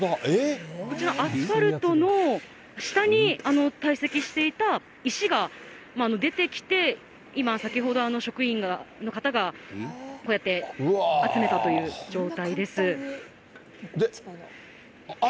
こちら、アスファルトの下に堆積していた石が出てきて、今、先ほど、職員の方が、こうやって集めたという状態です。